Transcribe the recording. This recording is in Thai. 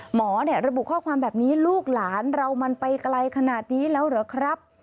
หมอระบุข้อความแบบนี้ลูกหลานเรามันไปไกลขนาดนี้แล้วเหรอครับ